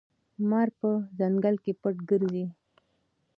مار په ځنګل کې پټ ګرځي.